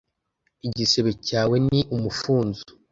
igisebe cyawe ni umufunzo